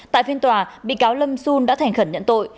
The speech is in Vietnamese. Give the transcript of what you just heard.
tại phiên tòa bị cáo lâm xun đã thành khẩn nhận tội